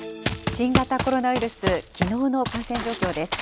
新型コロナウイルス、きのうの感染状況です。